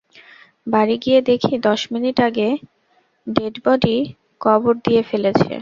বাড়ি গিয়ে দেখি দশ মিনিট আগে ডেডবডি কবর দিয়ে ফেলেছে।